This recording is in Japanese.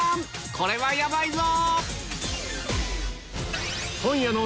これはヤバいぞ！